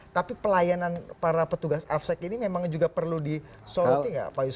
tapi pelayanan para petugas afsec ini memang juga perlu disoroti nggak pak yusuf